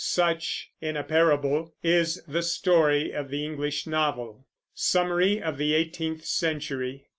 Such, in a parable, is the story of the English novel. SUMMARY OF THE EIGHTEENTH CENTURY.